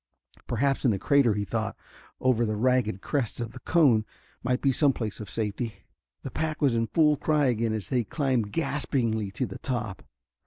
Perhaps in the crater, he thought, over the ragged crest of the cone, might be some place of safety. The pack was in full cry again as they climbed gaspingly to the top.